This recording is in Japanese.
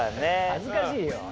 恥ずかしいよ。